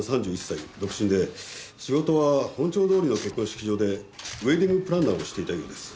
３１歳独身で仕事は本町通りの結婚式場でウェディングプランナーをしていたようです。